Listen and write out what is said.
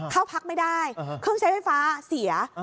เข้าพักไม่ได้เครื่องใช้ไฟฟ้าเสีย